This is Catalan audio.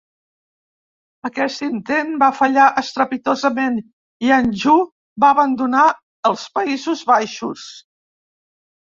Aquest intent va fallar estrepitosament, i Anjou va abandonar els Països Baixos.